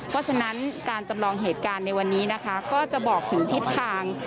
เพราะฉะนั้นการจำลองเหตุการณ์ในวันนี้นะคะก็จะบอกถึงทิศทาง